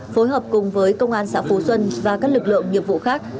phối hợp cùng với công an xã phú xuân và các lực lượng nghiệp vụ khác